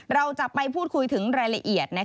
เราจะไปพูดคุยถึงรายละเอียด